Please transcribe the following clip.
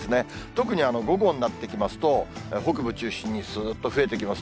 特に午後になってきますと、北部中心にすーっと増えてきます。